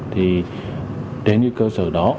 thì đến với cơ sở đó